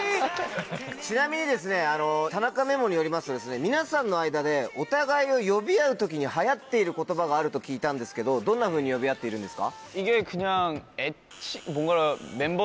・ちなみにですね田中ＭＥＭＯによりますと皆さんの間でお互いを呼び合う時に流行っている言葉があると聞いたんですけどどんなふうに呼び合っているんですか？